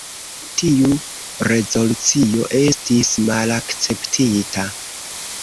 Tiu rezolucio estis malakceptita.